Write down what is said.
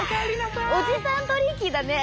おじさんトリンキーだね。